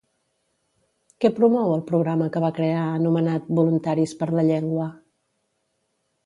Què promou el programa que va crear anomenat Voluntaris per la Llengua?